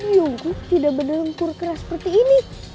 nyongku tidak berdengkur keras seperti ini